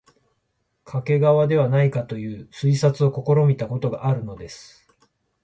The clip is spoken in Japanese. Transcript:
桂川ではないかという推察を試みたことがあるのです